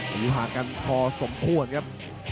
อยู่ห่างกันพอสมควรครับ